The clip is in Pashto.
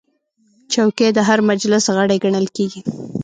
چوکۍ د هر مجلس غړی ګڼل کېږي.